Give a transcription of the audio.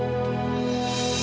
ya makasih ya